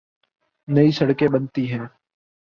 نئی سڑکیں بنتی ہیں۔